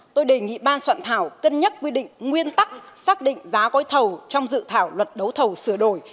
tôi đề nghị ban soạn thảo cân nhắc quy định nguyên tắc xác định giá gói thầu trong dự thảo luật đấu thầu sửa đổi